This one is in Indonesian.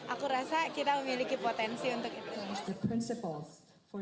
aku rasa kita memiliki potensi untuk itu principle